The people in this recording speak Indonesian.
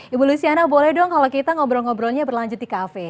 ibu luciana boleh dong kalau kita ngobrol ngobrolnya berlanjut di kafe